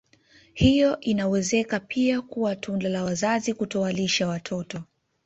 Hiyo inawezeka pia kuwa tunda la wazazi kutowalisha watoto